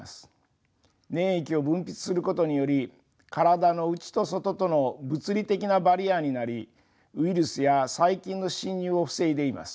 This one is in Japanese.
粘液を分泌することにより体の内と外との物理的なバリアになりウイルスや細菌の侵入を防いでいます。